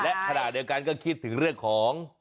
และขณะเดียวกันก็คิดถึงเรื่องของ